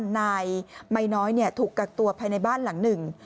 นายไม้น้อยถูกกักตัวภายในบ้านหลังหนึ่ง